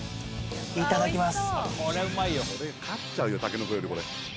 いただきます。